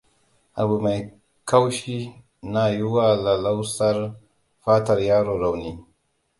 Abu mai kaushi na yi wa lallausar fatar yaro rauni.